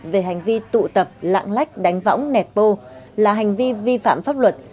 về hành vi tụ tập lãng lách đánh võng nèo bô là hành vi vi phạm pháp luật